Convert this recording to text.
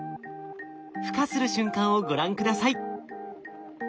ふ化する瞬間をご覧下さい。